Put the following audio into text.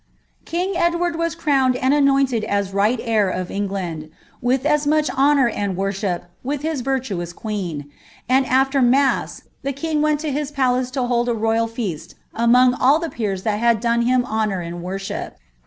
" King Edward was crowned and anointed as right heir of En^Iudl, with much honour and worship, with his virtuous queeu; and afler maxs the king went to his palace to hold a royal feast among all ibe peers that hnd done him honour and worship.